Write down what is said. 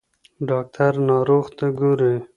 ډاکټر ناروغ ته ګوري.